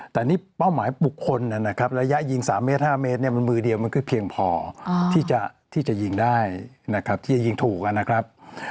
แต่นี่เป้าหมายบุคคลนะครับระยะยิง๓เมตร๕เมตรเนี่ยมันมือเดียวมันก็เพียงพอที่จะยิงได้นะครับที่จะยิงถูกนะครับ